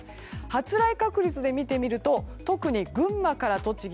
発雷確率で見てみると特に群馬から栃木